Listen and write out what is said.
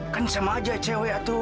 kan sama aja cewek tuh